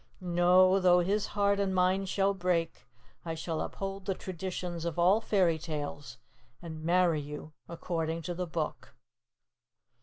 No, though his heart and mine shall break, I shall uphold the traditions of all fairy tales and marry you according to the book."